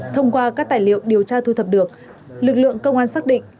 thông qua các tài liệu điều tra thu thập được lực lượng công an xác định